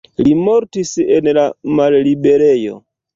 Li mortis en la malliberejo.